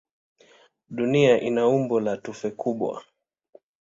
Dunia ina umbo la tufe kubwa.